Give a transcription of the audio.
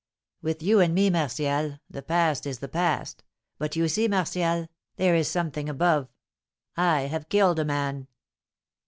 "With you and me, Martial, the past is the past; but, you see, Martial, there is something above, I have killed a man!"